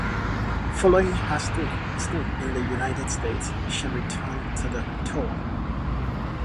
Following her stint in the United States she returned to the tour.